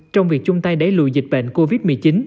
trong việc chung tay đẩy lùi dịch bệnh covid một mươi chín